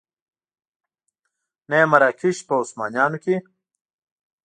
نه یې مراکش په عثمانیانو کې.